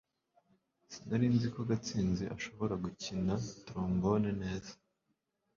Sinari nzi ko Gatsinzi ashobora gukina trombone neza